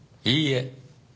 いいえ。